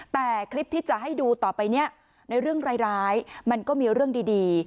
แต่คลิปที่จะให้ดูต่อไปเนี่ยในเรื่องร้ายมันก็มีเรื่องดี